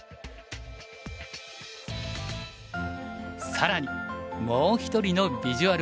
更にもう一人のビジュアル派